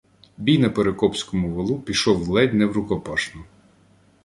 Бій на Перекопському валу пішов ледь не врукопашну.